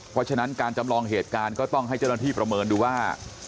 เพราะฉะนั้นการจำลองเหตุการณ์ก็ต้องให้เจ้าหน้าที่ประเมินดูว่า